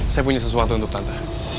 saya punya sesuatu untuk anda